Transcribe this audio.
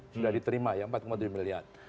sudah diterima ya empat tujuh miliar